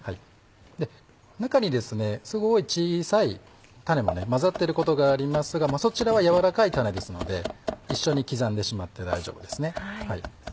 中にすごい小さい種も混ざってることがありますがそちらは軟らかい種ですので一緒に刻んでしまって大丈夫です。